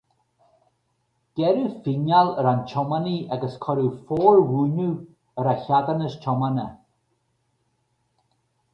Gearradh fíneáil ar an tiománaí agus cuireadh formhuiniú ar a cheadúnas tiomána.